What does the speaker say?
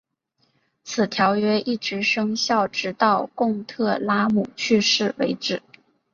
此条约一直生效直到贡特拉姆去世为止。